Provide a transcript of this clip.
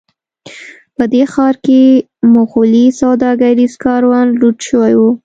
په دې ښار کې مغولي سوداګریز کاروان لوټ شوی و.